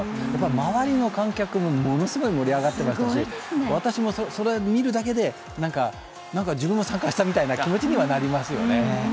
周りの観客もものすごい盛り上がってましたし私も見るだけで自分も参加したみたいな気持ちにはなりますよね。